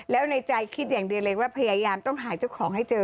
แล้วในใจคิดอย่างเดียวเลยว่าพยายามต้องหาเจ้าของให้เจอ